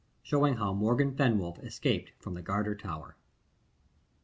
IX. Showing how Morgan Fenwolf escaped from the Garter Tower.